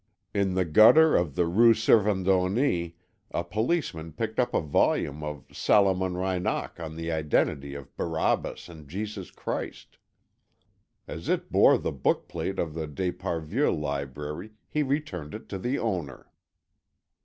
In the gutter of the Rue Servandoni a policeman picked up a volume of Salomon Reinach on the identity of Barabbas and Jesus Christ. As it bore the book plate of the d'Esparvieu library he returned it to the owner.